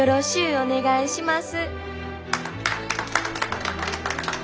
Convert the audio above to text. お願いします。